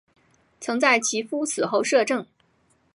曾在其夫死后摄政。